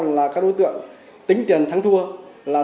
trong đó là các đối tượng tính tiền thắng thua